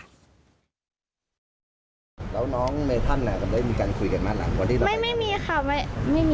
ก็กลัวอันตรายกว่าอะไรอย่างนี้ค่ะ